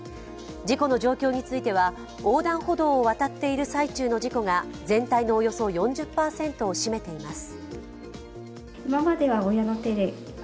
事故の状況については横断歩道を渡っている最中の事故が全体のおよそ４０％を占めています。